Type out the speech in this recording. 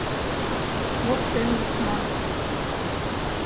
Моштен лукман!